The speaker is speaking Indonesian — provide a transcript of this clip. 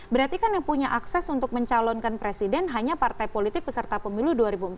berarti kan yang punya akses untuk mencalonkan presiden hanya partai politik peserta pemilu dua ribu empat belas